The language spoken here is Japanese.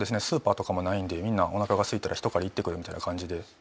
スーパーとかもないんでみんなお腹がすいたら一狩り行ってくるみたいな感じで。